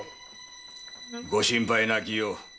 ご心配なきよう。